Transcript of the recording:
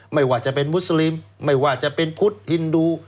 ไม่ว่าจะเป็นมุสลิมไม่ว่าจะเป็นพุทธฮินดู